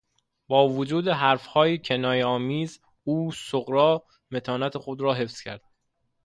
با وجود حرفهای کنایهآمیز او صغرا متانت خود را حفظ کرد.